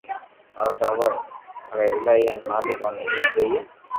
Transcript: مارو ٽاٻر پڙي ايلائي ھي مالڪ اوني ھمت ديئي